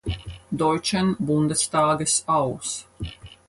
Deutschen Bundestages aus.